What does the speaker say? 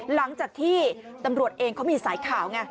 หลังจากที่ตำรวจเองเขามีสายข่าวไง